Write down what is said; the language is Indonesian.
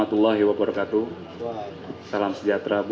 assalamualaikum wr wb